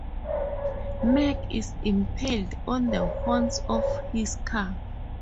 Mac is impaled on the horns of his car.